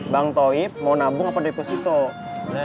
bank toib mau nabung apa dari pusatnya